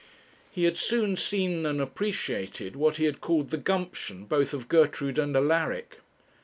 He had soon seen and appreciated what he had called the 'gumption' both of Gertrude and Alaric.